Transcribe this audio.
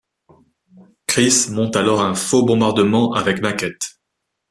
Chris monte alors un faux bombardement avec maquettes.